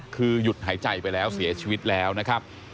คือหยุดหายใจไปแล้วเสียชีวิตแล้วนะครับ